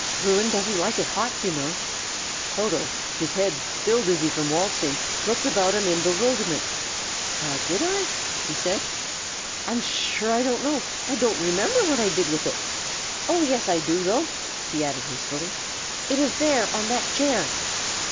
Bruin doesn't like it hot, you know." Toto, his head still dizzy from waltzing, looked about him in bewilderment. "Did I?" he said. "I am sure I don't know! I don't remember what I did with it. Oh, yes, I do, though!" he added hastily. "It is there, on that chair.